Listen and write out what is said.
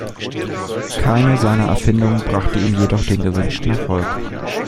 Keine seiner Erfindungen brachte ihm jedoch den gewünschten Erfolg.